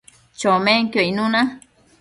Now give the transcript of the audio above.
chomenquio icnuna